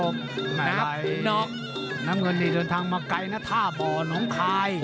น้ำเงินนี่เดินทางมาไกลนะท่าบ่อน้องคาย